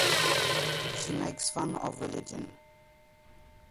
She makes fun of religion.